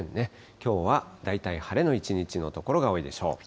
きょうは大体晴れの一日の所が多いでしょう。